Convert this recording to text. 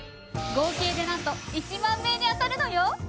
合計でなんと１万名に当たるのよ！